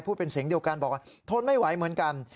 เป็นเสียงเดียวกันบอกว่าทนไม่ไหวเหมือนกัน